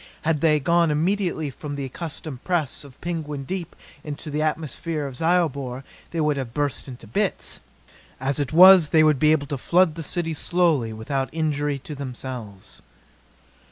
Had they gone immediately from the accustomed press of Penguin Deep into the atmosphere of Zyobor, they would have burst into bits. As it was they would be able to flood the city slowly, without injury to themselves.